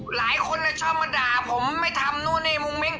หลายคนชอบมาด่าผมไม่ทำนู่นนี่มุ้งมิ้ง